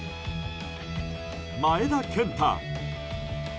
前田健太。